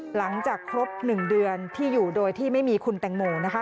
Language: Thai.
หลังจากครบ๑เดือนที่อยู่โดยที่ไม่มีคุณแตงโมนะคะ